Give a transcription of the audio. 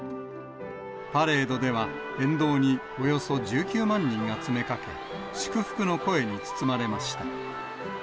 パレードでは、沿道におよそ１９万人が詰めかけ、祝福の声に包まれました。